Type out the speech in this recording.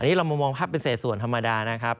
นี่เรามามองภาพเป็นเศษส่วนธรรมดานะครับ